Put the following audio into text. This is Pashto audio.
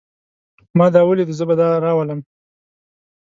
ما دا وليده. زه به دا راولم.